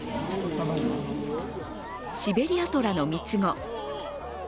シベリアトラの３つ子。